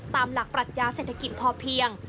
ตามหลักปรัชญาเศรษฐกิจพอเพียง